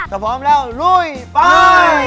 ก็พร้อมแล้วร่วยโป้ย